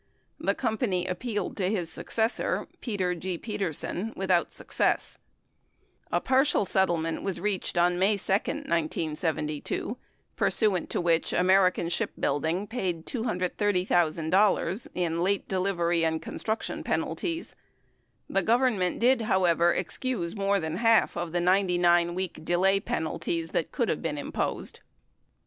The company appealed to his successor, Peter G. Peterson without success. A partial settlement was reached on May 2, 1972. pursuant to which American Ship Building paid $230,000 in late delivery and construc tion penalties. The Government did, however, excuse more than half of the 99 week delay penalties that could have been imposed.